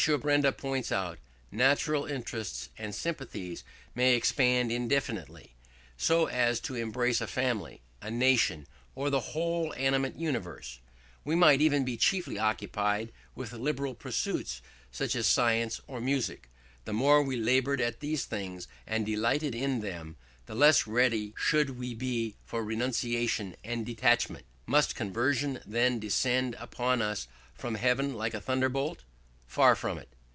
Benda points out, natural interests and sympathies may expand indefinitely, so as to embrace a family, a nation, or the whole animate universe; we might even be chiefly occupied with liberal pursuits, such as science or music; the more we laboured at these things and delighted in them, the less ready should we be for renunciation and detachment. Must conversion then descend upon us from heaven like a thunderbolt? Far from it.